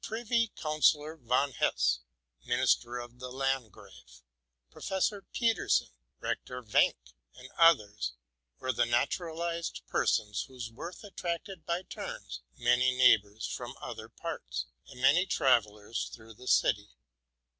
Privy Counsellor von Hesse, Minister of the Landgrave, Professor Petersen, Rector Wenck, and others, were the natu ralized persons whose worth attracted by turns many neigh bors from other parts, and many travellers through the city.